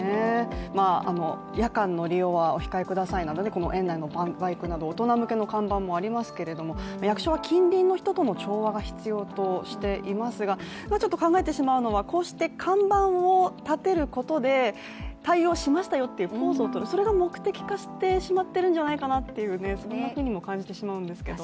夜間の利用はお控えください、この園内バイクなど大人向けの看板もありますけど役所は近隣の人たちとの調和が必要としていますがちょっと考えてしまうのはこうして看板を立てることで対応しましたよというポーズをとるそれが目的化してしまってるんじゃないかなとそんなふうにも感じてしまうんですけれども。